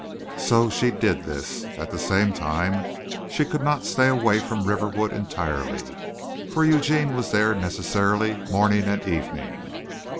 So she did this. At the same time she could not stay away from Riverwood entirely, for Eugene was there necessarily morning and evening.